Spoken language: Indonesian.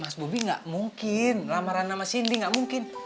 mas bobi gak mungkin lamaran sama sindi gak mungkin